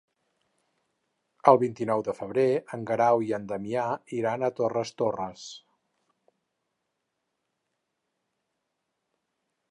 El vint-i-nou de febrer en Guerau i en Damià iran a Torres Torres.